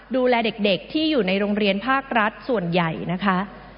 ดูแลเด็กที่อยู่ในโรงเรียนภาครัฐส่วนใหญ่นะคะ